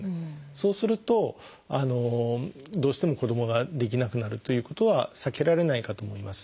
そうするとどうしても子どもが出来なくなるということは避けられないかと思います。